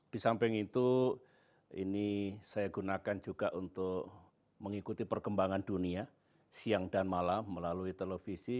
di samping itu ini saya gunakan juga untuk mengikuti perkembangan dunia siang dan malam melalui televisi